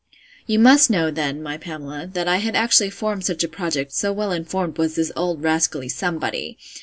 You must know, then, my Pamela, that I had actually formed such a project, so well informed was this old rascally Somebody!